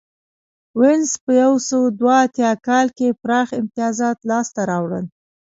وینز په یو سوه دوه اتیا کال کې پراخ امتیازات لاسته راوړل